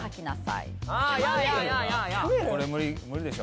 これ無理でしょ。